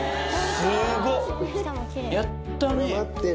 すごっやったね！